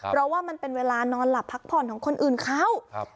เพราะว่ามันเป็นเวลานอนหลับพักผ่อนของคนอื่นเขา